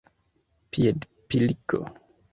piedpilko